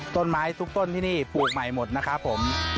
ต้นไม้ทุกต้นที่นี่ปลูกใหม่หมดนะครับผม